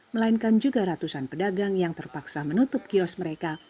melainkan juga ratusan pedagang yang terpaksa menutup kios mereka